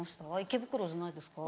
池袋じゃないですか？